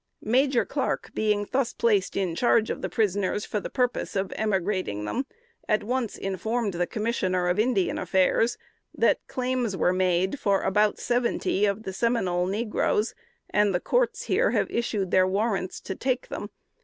Major Clark being thus placed in charge of the prisoners for the purpose of emigrating them, at once informed the Commissioner of Indian Affairs, that claims were "made for about seventy of the Seminole negroes, and the courts here have issued their warrants to take them.